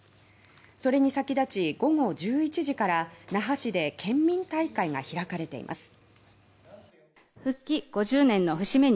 それに先立ち午前１１時から那覇市で県民集会が開かれました。